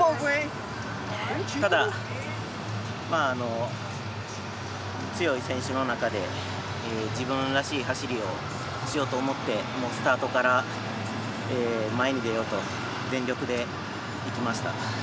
ただ、強い選手の中で自分らしい走りをしようと思ってスタートから前に出ようと全力でいきました。